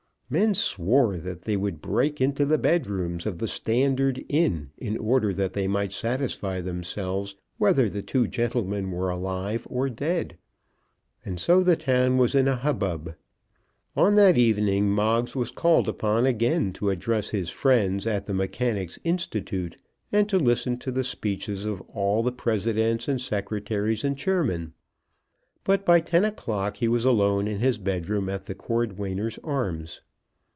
Men swore that they would break into the bedrooms of the Standard Inn, in order that they might satisfy themselves whether the two gentlemen were alive or dead. And so the town was in a hubbub. On that evening Moggs was called upon again to address his friends at the Mechanics' Institute, and to listen to the speeches of all the presidents and secretaries and chairmen; but by ten o'clock he was alone in his bedroom at the Cordwainers' Arms.